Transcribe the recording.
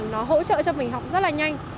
nó hỗ trợ cho mình học rất là nhanh